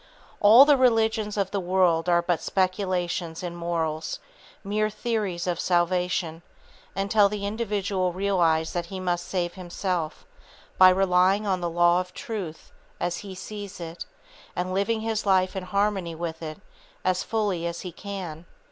All the religions of the world are but speculations in morals, mere theories of salvation, until the individual realize that he must save himself by relying on the law of truth, as he sees it, and living his life in harmony with it, as fully as he can.